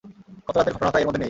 গত রাতের ঘটনাটা এর মধ্যে নেই।